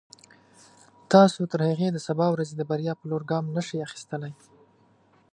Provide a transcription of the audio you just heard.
تاسو تر هغې د سبا ورځې د بریا په لور ګام نشئ اخیستلای.